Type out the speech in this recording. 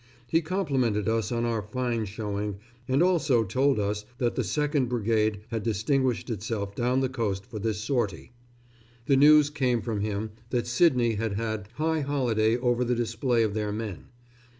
He complimented us on our fine showing, and also told us that the 2nd Brigade had distinguished itself down the coast for this sortie. The news came from him that Sydney had had high holiday over the display of their men.